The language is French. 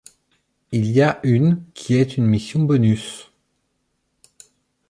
Il y a une qui est une mission bonus.